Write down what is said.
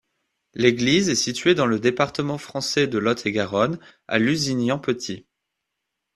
L'église est située dans le département français de Lot-et-Garonne, à Lusignan-Petit.